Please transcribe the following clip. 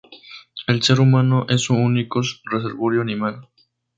El ser humano es su único reservorio animal.